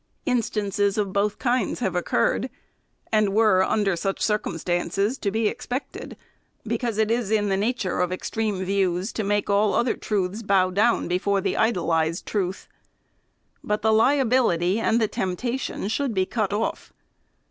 Instances of both kinds have occurred, and were, under such circum stances, to be expected ; because it is the nature of ex treme views to make all other truths bow down before the idolized truth. But the liability and the temptation should be cut off.